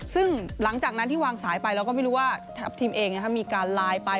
ซึ่งหลังจากนั้นที่วางสายไปเราก็ไม่รู้ว่าทีมเองมีการไลน์ไป